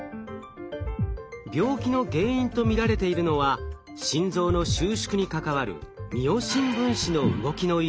病気の原因と見られているのは心臓の収縮に関わるミオシン分子の動きの異常。